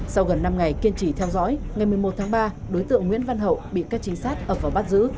sau gần năm ngày kiên trì theo dõi ngày một mươi một tháng ba đối tượng nguyễn văn hậu bị các trinh sát ập vào bắt giữ